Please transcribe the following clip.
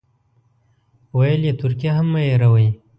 ویل یې ترکیه هم مه هېروئ.